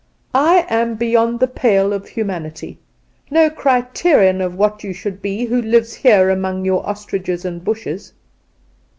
I am beyond the pale of humanity; no criterion of what you should be who live here among your ostriches and bushes."